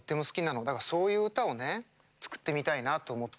だからそういう歌をね作ってみたいなと思って。